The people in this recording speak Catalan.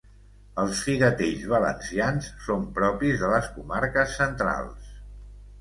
Els figatells valencians, són propis de les comarques centrals.